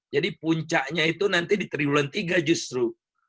jadi puncaknya itu nanti di tiga bulan tiga justru